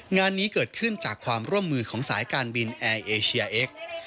งานนี้เกิดขึ้นจากความร่วมมือของสายการบินแอร์เอเชียเอ็กซ์